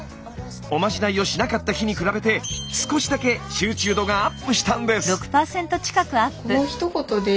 おまじないをしなかった日に比べて少しだけ集中度がアップしたんです。